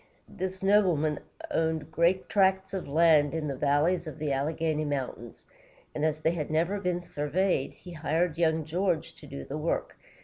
This nobleman owned great tracts of land in the valleys of the Alleghany Mountains, and as they had never been surveyed, he hired young George to do the work.